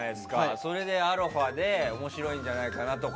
それで、アロハで面白いんじゃないかなとか。